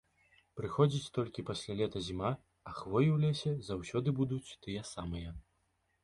Прыходзіць толькі пасля лета зіма, а хвоі ў лесе заўсёды будуць тыя самыя.